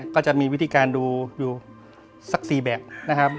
ก็จะมีวิธีการดูสัก๔แบบ